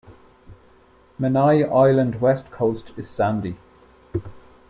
Menai Island west coast is sandy.